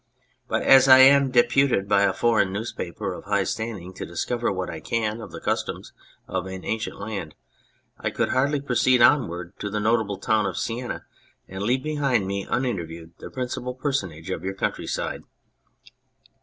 But as I am deputed by a foreign newspaper of high standing to discover what I can of the customs of an ancient land, I could hardly proceed onward to the notable town of Sienna and leave behind me uninterviewed the principal personage of your countryside."